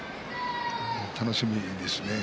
楽しみですね。